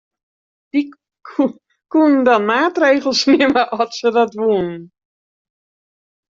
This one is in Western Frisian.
Dy koenen dan maatregels nimme at se dat woenen.